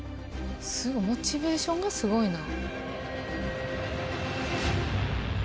すごモチベーションがすごいな。